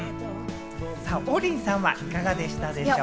王林さんは、いかがでしたでしょうか？